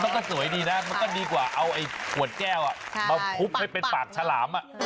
มันก็สวยดีนะมันก็ดีกว่าเอาไอ้ขวดแก้วมาคุบให้เป็นปากฉลาม